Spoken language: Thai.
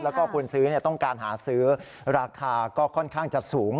แล้วก็คนซื้อต้องการหาซื้อราคาก็ค่อนข้างจะสูง